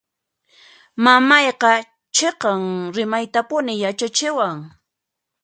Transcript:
Mamayqa chiqan rimaytapuni yachachiwan.